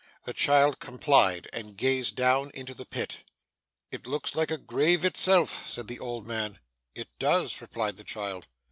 The child complied, and gazed down into the pit. 'It looks like a grave itself,' said the old man. 'It does,' replied the child.